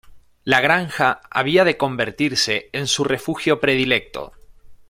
La granja había de convertirse en su refugio predilecto.